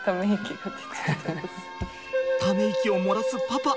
ため息を漏らすパパ。